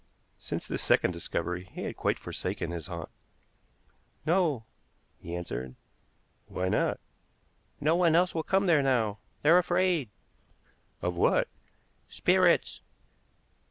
Since this second discovery he had quite forsaken his haunt. "No," he answered. "Why not?" "No one else will come there now. They're afraid." "Of what?" "Spirits."